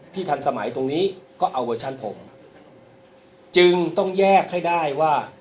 ทันสมัยตรงนี้ก็เอาเวอร์ชันผมจึงต้องแยกให้ได้ว่า